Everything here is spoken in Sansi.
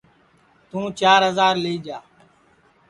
توں چِار ہجار لی جا